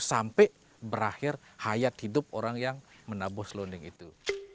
sampai berakhir hayat hidup orang yang menabuh selonding itu